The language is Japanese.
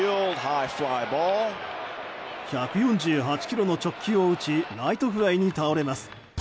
１４８キロの直球を打ちライトフライに倒れます。